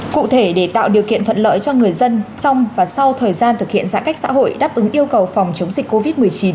cụ thể để tạo điều kiện thuận lợi cho người dân trong và sau thời gian thực hiện giãn cách xã hội đáp ứng yêu cầu phòng chống dịch covid một mươi chín